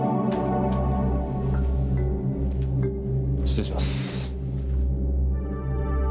失礼します。